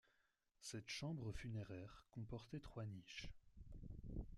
Cette chambre funéraire comportait trois niches.